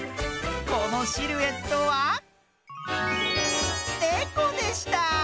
このシルエットはねこでした。